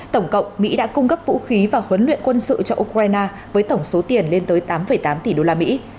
tổng cộng mỹ đã cung cấp vũ khí và huấn luyện quân sự cho ukraine với tổng số tiền lên tới tám tám tỷ đô la mỹ